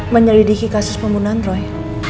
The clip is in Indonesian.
menyelidiki kasus pembunuhan roy